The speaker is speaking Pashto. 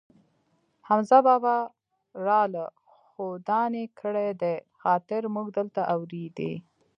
حمزه بابا را له ښودانې کړی دي، خاطر مونږ دلته اورېدی.